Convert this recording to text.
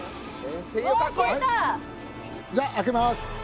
じゃあ開けます。